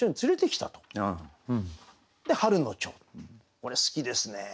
これ好きですね。